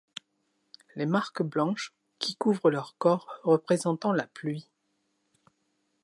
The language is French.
Les marques blanches qui couvrent leurs corps représentant la pluie.